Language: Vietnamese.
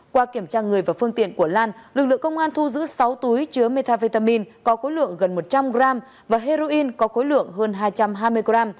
qua kiểm tra người và phương tiện của lan lực lượng công an thu giữ sáu túi chứa metavitamin có khối lượng gần một trăm linh g và heroin có khối lượng hơn hai trăm hai mươi g